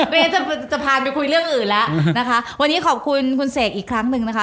ไม่งั้นจะจะพาไปคุยเรื่องอื่นแล้วนะคะวันนี้ขอบคุณคุณเสกอีกครั้งหนึ่งนะคะ